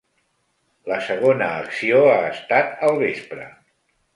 La segona acció ha estat al vespre.